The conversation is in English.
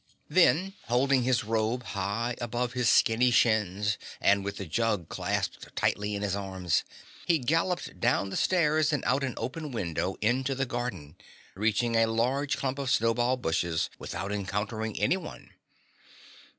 Then, holding his robe high above his skinny shins and with the jug clasped tightly in his arms, he galloped down the stairs and out an open window into the garden, reaching a large clump of snowball bushes without encountering anyone.